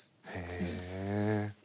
へえ。